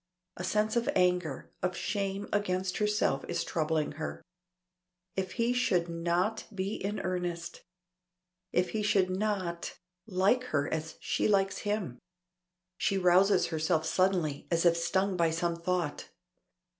A sense of anger, of shame against herself is troubling her. If he should not be in earnest! If he should not like her as she likes him! She rouses herself suddenly as if stung by some thought.